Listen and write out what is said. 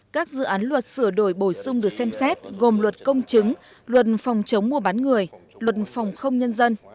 các dự án luật sửa đổi bổ sung được xem xét gồm luật công chứng luật phòng chống mua bán người luật phòng không nhân dân